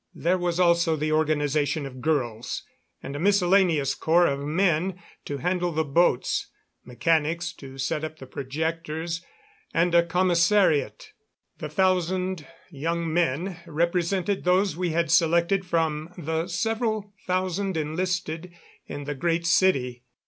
There was also the organization of girls, and a miscellaneous corps of men to handle the boats, mechanics to set up the projectors, and a commissariat. The thousand young men represented those we had selected from the several thousand enlisted in the Great City.